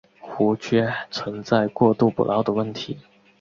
湖区存在过度捕捞的问题。